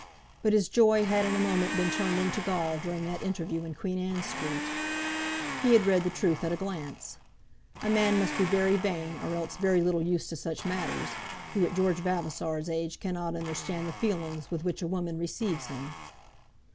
But his joy had in a moment been turned into gall during that interview in Queen Anne Street. He had read the truth at a glance. A man must be very vain, or else very little used to such matters, who at George Vavasor's age cannot understand the feelings with which a woman receives him.